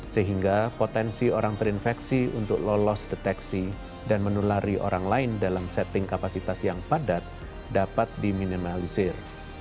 sehingga potensi orang terinfeksi untuk lolos deteksi dan menulari orang lain dalam setting kapasitas yang padat dapat diminimalisir